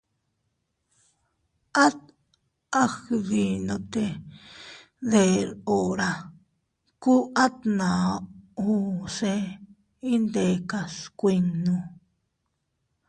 At a gndinote te deʼe hura, ku atna uu se iyndekas kuinnu.